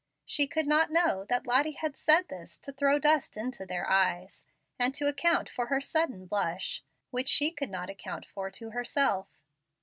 She could not know that Lottie had said this to throw dust into their eyes, and to account for her sudden blush, which she could not account for to herself.